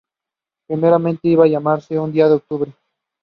Gildea acted as clerk of the works.